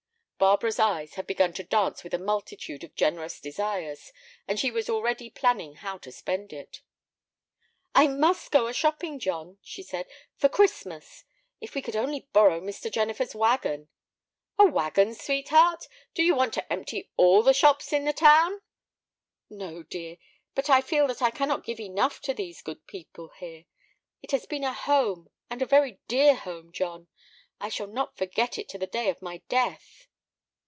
Barbara's eyes had begun to dance with a multitude of generous desires, and she was already planning how to spend it. "I must go a shopping, John," she said, "for Christmas. If we could only borrow Mr. Jennifer's wagon." "A wagon, sweetheart! Do you want to empty all the shops in the town?" "No, dear; but I feel that I cannot give enough to these good people here. It has been a home, and a very dear home, John; I shall not forget it to the day of my death."